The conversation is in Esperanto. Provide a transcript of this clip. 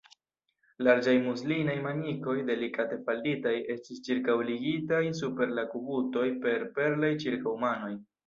Larĝaj muslinaj manikoj, delikate falditaj, estis ĉirkaŭligitaj super la kubutoj per perlaj ĉirkaŭmanoj.